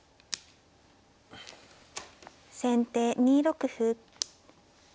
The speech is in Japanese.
先手２六歩。